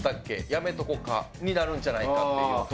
「やめとこか」になるんじゃないかっていうのと。